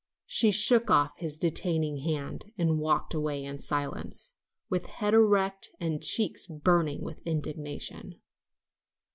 She shook off his detaining hand, and walked away in silence, with head erect and cheeks burning with indignation.